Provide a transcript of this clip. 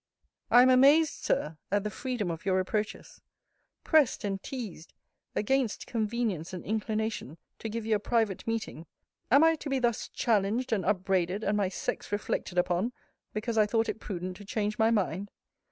I am amazed, Sir, at the freedom of your reproaches. Pressed and teased, against convenience and inclination, to give you a private meeting, am I to be thus challenged and upbraided, and my sex reflected upon, because I thought it prudent to change my mind?